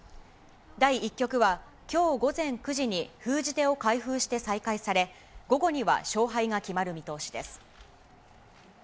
第１局は、きょう午前９時に封じ手を開封して再開され、午後には勝敗が決まる見通しです。